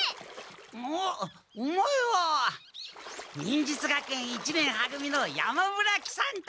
おっオマエは忍術学園一年は組の山村喜三太！